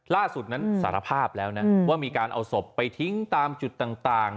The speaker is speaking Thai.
ล่าสุดนั้นสารภาพแล้วนะว่ามีการเอาศพไปทิ้งตามจุดต่าง